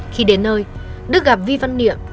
khi đến nơi đức gặp vi văn niệm